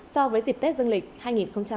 so với dịp tết dân lịch hai nghìn hai mươi ba